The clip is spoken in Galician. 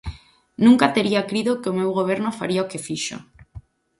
Nunca tería crido que o meu Goberno faría o que fixo.